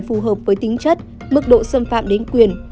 phù hợp với tính chất mức độ xâm phạm đến quyền